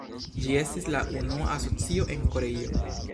Ĝi estis la unua Asocio en Koreio.